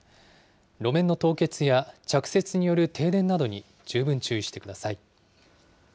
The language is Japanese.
路面の凍結や着雪による停電などに十分注意してください。